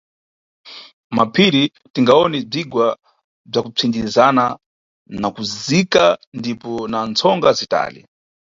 Mmapiri tiningawone bzigwa bzakupsindizana nakuzika ndipo na mtsonga zitali.